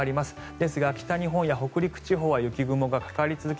ですが北日本や北陸地方は雪雲がかかり続け